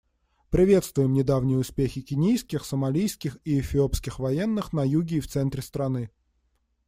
Приветствуем недавние успехи кенийских, сомалийских и эфиопских военных на юге и в центре страны.